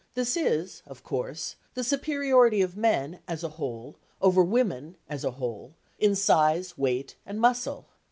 This is, of course, the superiority of men as a whole, over women as a whole, in size, weight and muscle.